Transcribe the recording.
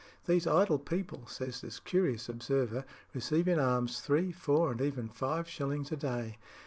"These idle people," says this curious observer, "receive in alms three, four, and even five shillings a day.